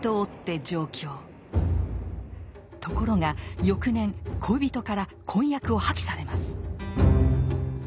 ところが翌年恋人から婚約を破棄されます。